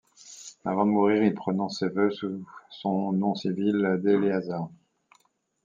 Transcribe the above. Avant de mourir, il prononce ses vœux sous son nom civil d' Éléazar.